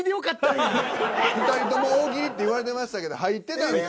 ２人とも「大喜利」って言われてましたけど入ってた。